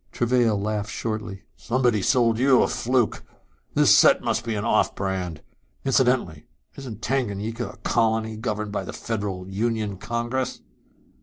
Travail laughed shortly. "Somebody sold you a fluke. This set must be an off brand. Incidentally, isn't Tanganyika a colony governed by the Federal Union Congress?"